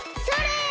それ！